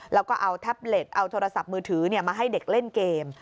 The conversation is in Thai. แล้วก็เอาแท็บเล็ตเอาโทรศัพท์มือถือมาให้เด็กเล่นเกม